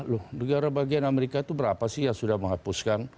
loh negara bagian amerika itu berapa sih yang sudah menghapuskan